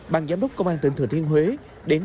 bàn giám đốc công an tỉnh thừa thiên huế